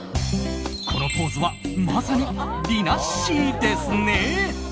このポーズは、まさにりなっしーですね！